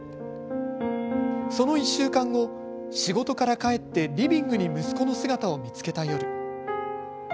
その１週間後、仕事から帰ってリビングに息子の姿を見つけた夜。